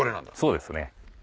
そうですね。